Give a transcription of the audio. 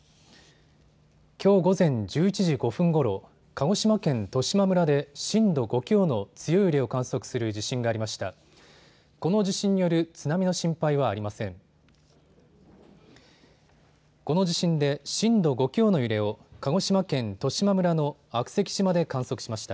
きょう午前１１時５分ごろ、鹿児島県十島村で震度５強の強い揺れを観測する地震がありました。